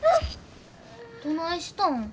どないしたん？